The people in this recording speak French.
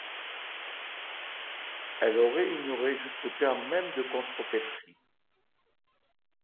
Elle aurait ignoré jusqu'au terme même de contrepèterie.